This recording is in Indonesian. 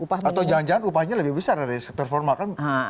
atau jangan jangan upahnya lebih besar dari sektor formal kan